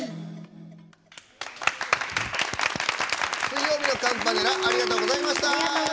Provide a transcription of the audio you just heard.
水曜日のカンパネラありがとうございました。